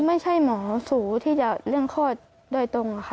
ไม่ใช่หมอสูที่จะเรื่องคลอดโดยตรงค่ะ